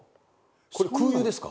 これ空輸ですか？